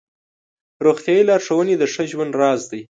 روغتیایي لارښوونې د ښه ژوند راز دی.